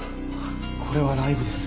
「これはライブです。